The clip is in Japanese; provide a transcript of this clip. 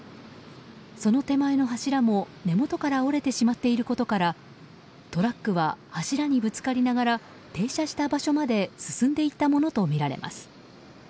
その手前の柱も、根元から折れてしまっていることからトラックは柱にぶつかりながら停車した場所まで進んでいったものとみられます。